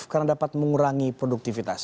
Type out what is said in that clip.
karena dapat mengurangi produktivitas